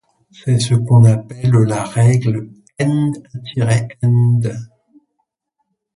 C'est ce qu'on appelle la règle N-end.